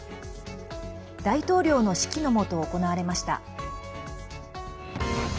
大統領の指揮の下、行われました。